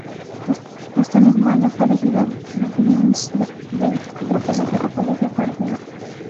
Este mismo año fue elegido vice-decano del Sacro Colegio Cardenalicio.